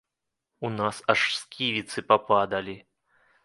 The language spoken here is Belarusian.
У нас аж сківіцы пападалі.